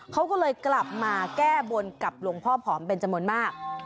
เขาก็เลยกลับมาแก้บนกับหลวงพ่อผอมเป็นจำนวนมาก